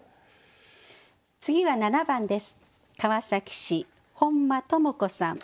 次は７番です。